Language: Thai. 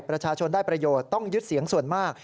ประชาชนได้ประโยชน์ต้องยึดเสียงส่วนมาก